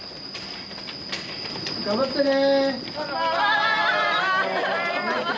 頑張ってね。